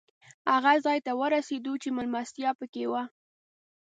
هغه ځای ته ورسېدو چې مېلمستیا پکې وه.